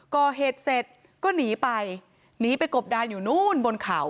ก่อเหตุเสร็จก็หนีไปหนีไปกบดานอยู่นู้นบนเขา